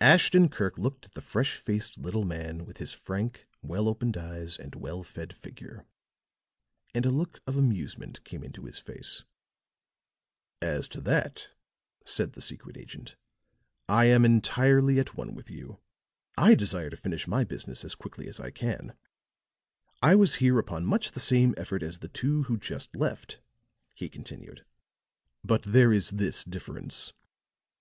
Ashton Kirk looked at the fresh faced little man with his frank, well opened eyes and well fed figure; and a look of amusement came into his face. "As to that," said the secret agent, "I am entirely at one with you. I desire to finish my business as quickly as I can. I am here upon much the same errand as the two who just left," he continued. "But there is this difference.